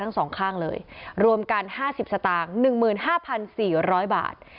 ทั้งสองข้างเลยรวมกันห้าสิบสตางค์หนึ่งหมื่นห้าพันสี่ร้อยบาท